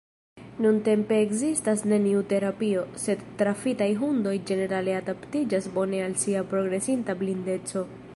Nuntempe ekzistas neniu terapio, sed trafitaj hundoj ĝenerale adaptiĝas bone al sia progresinta blindeco.